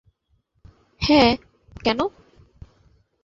হ্যাঁ, কেন?